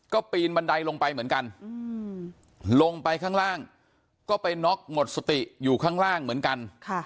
ก็ปีนบันไดลงไปเหมือนกันลงไปข้างล่างก็ไปน็อกหมดสติอยู่ข้างล่างเหมือนกัน